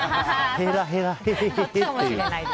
へらへら、へへへっていう。